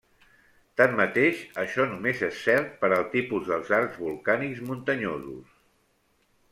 Tanmateix això només és cert per al tipus dels arcs volcànics muntanyosos.